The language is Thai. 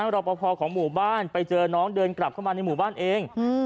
รอปภของหมู่บ้านไปเจอน้องเดินกลับเข้ามาในหมู่บ้านเอง